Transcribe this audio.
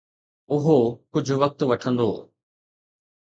اهو ڪجهه وقت وٺندو.